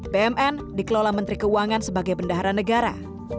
bmn dikelola menteri keuangan sebagai bendahara negara